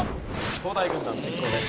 東大軍団先攻です。